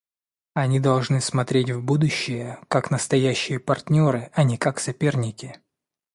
Они должны смотреть в будущее как настоящие партнеры, а не как соперники.